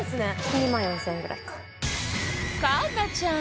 ２万４０００円ぐらいか環奈ちゃん！